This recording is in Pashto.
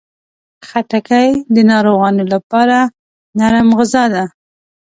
خټکی د ناروغانو لپاره نرم غذا ده.